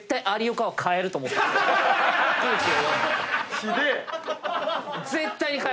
ひでえ。